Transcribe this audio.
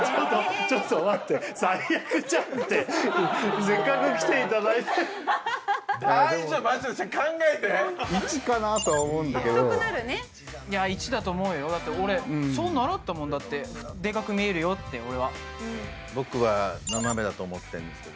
ちょっと待って「最悪じゃん」ってせっかく来ていただいて大丈夫松島さん考えて１かなとは思うんだけどいや１だと思うよだって俺そう習ったもんだってデカく見えるよって俺は僕は斜めだと思ってるんですけど